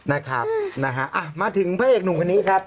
นะครับนะฮะมาถึงพระเอกหนุ่มคนนี้ครับ